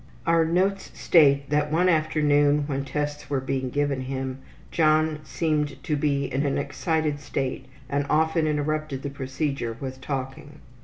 Our notes state that one afternoon when tests were being given him, John seemed to be in an excited state and often interrupted the procedure with talking.